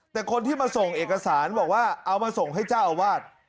แต่คนที่มาส่งเอกสารบอกว่าเอามาส่งให้เจ้าอาวาส